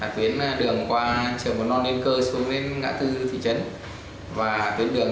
tuyến đường qua trường bồn non lên cơ xuống lên ngã tư thị trấn